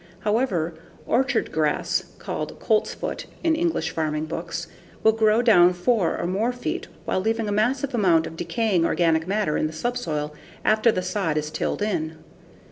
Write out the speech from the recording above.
However, orchard grass (called coltsfoot in English farming books) will grow down 4 or more feet while leaving a massive amount of decaying organic matter in the subsoil after the sod is tilled in.